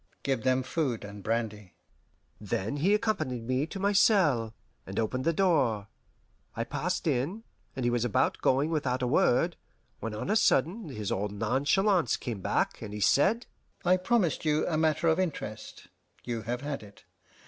"Give them food and brandy." Then he accompanied me to my cell, and opened the door. I passed in, and he was about going without a word, when on a sudden his old nonchalance came back, and he said: "I promised you a matter of interest. You have had it.